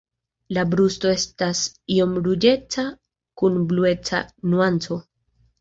La brusto estas iom ruĝeca kun blueca nuanco.